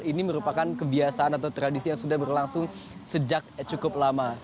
ini merupakan kebiasaan atau tradisi yang sudah berlangsung sejak cukup lama